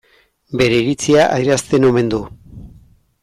Bere iritzia adierazten omen du.